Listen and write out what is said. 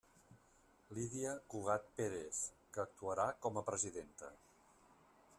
Lídia Cugat Pérez, que actuarà com a presidenta.